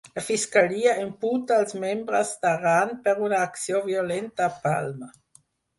La fiscalia imputa als membres d'Arran per una acció violenta a Palma